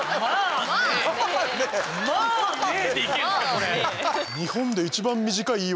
これ。